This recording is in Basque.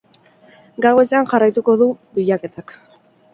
Gaur goizean jarraituko du bilaketak.